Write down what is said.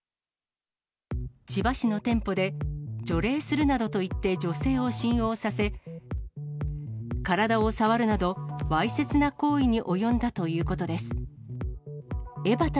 千葉市の店舗で、除霊するなどと言って女性を信用させ、体を触るなど、わいせつな行為に及んだということです。